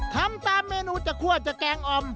ทำตามเมนูจากคั่วจากแกงอ่อม